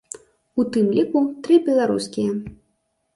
У тым ліку тры беларускія.